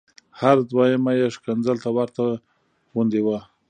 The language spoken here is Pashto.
هره دویمه یې ښکنځل ته ورته غوندې وه.